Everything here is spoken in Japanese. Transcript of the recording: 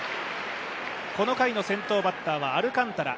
この回の先頭バッターはアルカンタラ。